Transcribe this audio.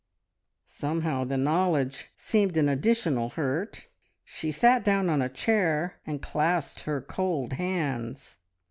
Somehow the knowledge seemed an additional hurt; she sat down on a chair and clasped her cold hands.